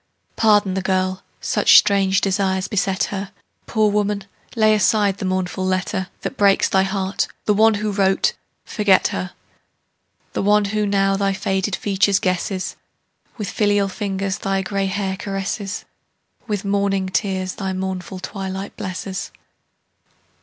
Pardon the girl; such strange desires beset her. Poor woman, lay aside the mournful letter That breaks thy heart; the one who wrote, forget her: The one who now thy faded features guesses, With filial fingers thy gray hair caresses, With morning tears thy mournful twilight blesses.